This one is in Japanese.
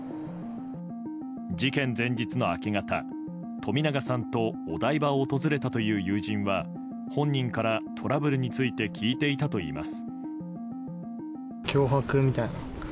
事件前日の明け方、冨永さんとお台場を訪れたという友人は本人からトラブルについて聞いていたといいます。